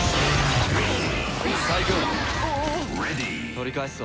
取り返すぞ。